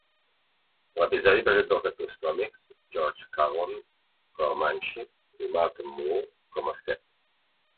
L'episodi presenta els actors còmics George Carlin com a Munchie i Martin Mull com a Seth.